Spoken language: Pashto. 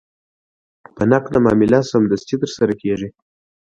په نقد معامله سمدستي ترسره کېږي.